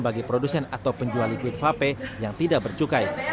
bagi produsen atau penjual liquid vape yang tidak bercukai